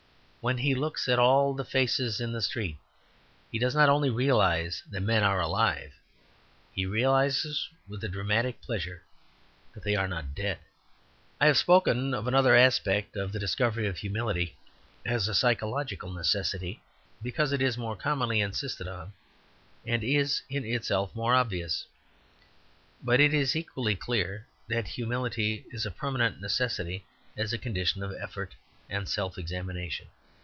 When he looks at all the faces in the street, he does not only realize that men are alive, he realizes with a dramatic pleasure that they are not dead. I have not spoken of another aspect of the discovery of humility as a psychological necessity, because it is more commonly insisted on, and is in itself more obvious. But it is equally clear that humility is a permanent necessity as a condition of effort and self examination.